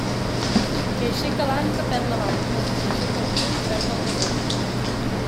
Qui aixeca l'anca perd la banca, qui aixeca el cul perd el bagul.